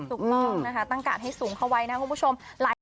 ถูกต้องนะคะตั้งกาดให้สูงเข้าไว้นะคุณผู้ชม